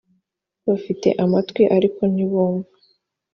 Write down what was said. bafite amatwi ariko ntibumva